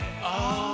ああ。